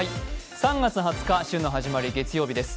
３月２０日、週の始まり月曜日です。